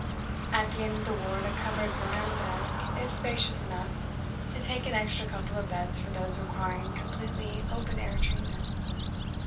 At the end of the ward a covered verandah is spacious enough to take an extra couple of beds for those requiring completely open air treatment.